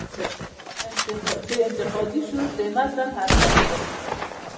د انتقادي شعور و متن اساس دی.